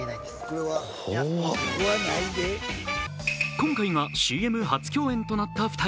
今回がＣＭ初共演となった２人。